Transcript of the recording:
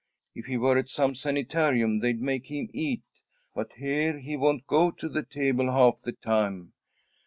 If he were at some sanitarium they'd make him eat; but here he won't go to the table half the time.